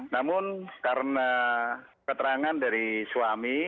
namun karena keterangan dari suami